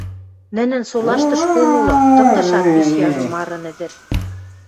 Нӹнӹн солашты школ улы, тымдышат пиш яжо, марын ӹдӹр.